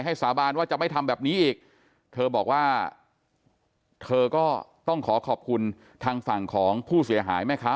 สาบานว่าจะไม่ทำแบบนี้อีกเธอบอกว่าเธอก็ต้องขอขอบคุณทางฝั่งของผู้เสียหายแม่ค้า